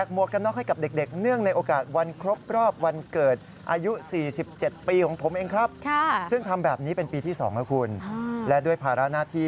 ของผมเองครับซึ่งทำแบบนี้เป็นปีที่๒นะครับคุณและด้วยภาระหน้าที่